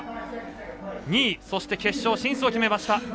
２位、そして決勝進出決めました。